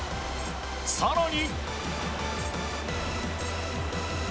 更に。